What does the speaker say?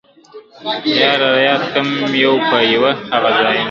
یا را یاد کم یو په یو هغه ځایونه ..